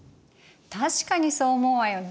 確かにそう思うわよね。